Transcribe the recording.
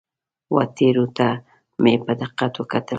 وه ټیرو ته مې په دقت وکتل.